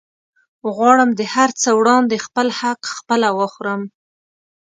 غواړم د هرڅه وړاندې خپل حق خپله وخورم